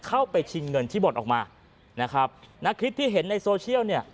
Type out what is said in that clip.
ชิงเงินที่บ่นออกมานะครับณคลิปที่เห็นในโซเชียลเนี่ย